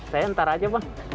saya ntar aja bang